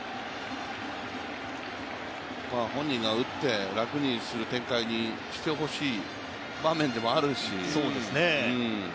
本人が打って楽にする展開にしてほしい場面でもあるし。